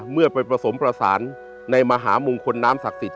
เมื่อไปผสมประสานในมหามงคลน้ำศักดิ์สิท